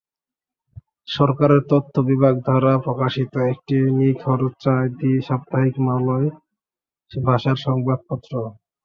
সরকারের তথ্য বিভাগ দ্বারা প্রকাশিত একটি নিখরচায় দ্বি-সাপ্তাহিক মালয় ভাষার সংবাদপত্র।